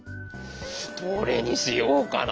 どれにしようかな。